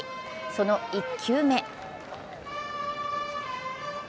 その１球目。